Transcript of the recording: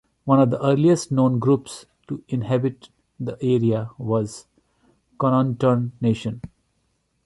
One of the earliest known groups to inhabit the area was the Chonnonton Nation.